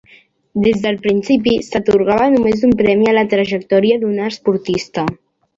Des del principi, s'atorgava només un premi a la trajectòria d'una esportista.